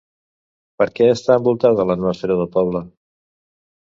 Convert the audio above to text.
Per què està envoltada l'atmosfera del poble?